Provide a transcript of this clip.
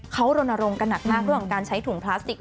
เขารณรงค์กันหนักมากเรื่องของการใช้ถุงพลาสติก